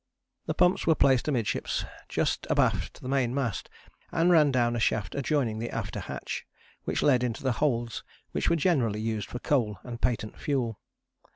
The pumps were placed amidships, just abaft the main mast, and ran down a shaft adjoining the after hatch, which led into the holds which were generally used for coal and patent fuel.